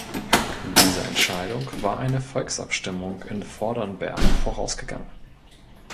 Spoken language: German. Dieser Entscheidung war eine Volksabstimmung in Vordernberg vorausgegangen.